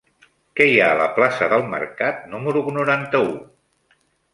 Què hi ha a la plaça del Mercat número noranta-u?